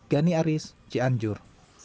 gani aris cianjur